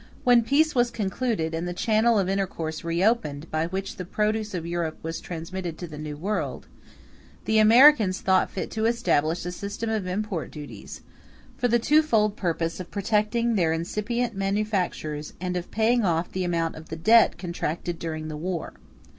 When peace was concluded, and the channel of intercourse reopened by which the produce of Europe was transmitted to the New World, the Americans thought fit to establish a system of import duties, for the twofold purpose of protecting their incipient manufactures and of paying off the amount of the debt contracted during the war.